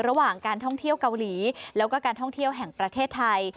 ระหว่างการท่องเที่ยวเกาหลีแล้วก็การท่องเที่ยวแห่งประเทศไทย